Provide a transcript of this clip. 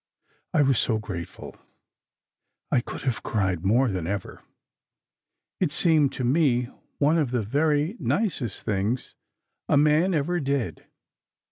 I was so grateful, I could have cried more than ever. It seemed to me one of the very nicest things a man ever did.